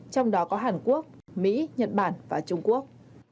trong đó có hàn quốc mỹ nhật bản và trung quốc